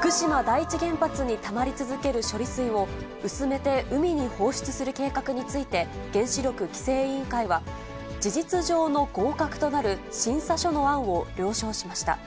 福島第一原発にたまり続ける処理水を、薄めて海に放出する計画について、原子力規制委員会は、事実上の合格となる審査書の案を了承しました。